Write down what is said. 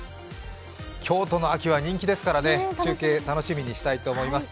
京都の秋は人気ですから中継楽しみにしたいと思います。